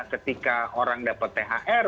ketika orang dapat thr